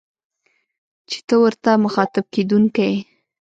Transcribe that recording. چي ته ورته مخاطب کېدونکی يې